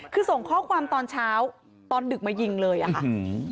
คือส่งข้อความตอนเช้าตอนดึกมายิงเลยอ่ะค่ะอืม